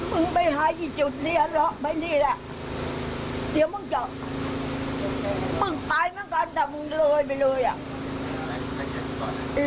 เมื่อหายไปถูกจับเกิดยังมัดปากเราจะไปได้แต่มันคือเรื่องมานอนอยู่ครับ